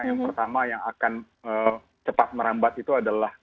yang pertama yang akan cepat merambat itu adalah